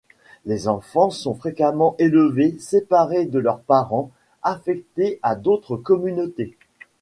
Les enfants sont fréquemment élevés séparés de leurs parents, affectés à d'autres communautés.